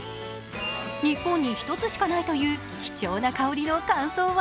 日本に一つしかないという貴重な香りの感想は